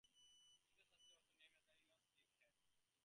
Hugo Sanchez was also named as the new Youth League Head Coach.